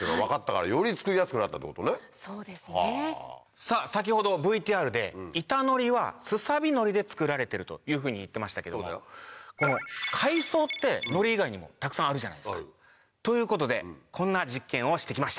さぁ先ほどＶＴＲで板のりはスサビノリで作られてるというふうに言ってましたけど海藻ってのり以外にもたくさんあるじゃないですか。ということでこんな実験をしてきました。